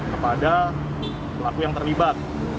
kepada pelaku yang terlibat